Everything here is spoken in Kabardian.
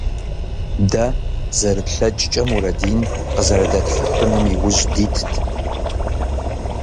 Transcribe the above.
Дэ, зэрытлъэкӀкӀэ, Мурэдин къызэрыдэтхьэхынум иужь дитт.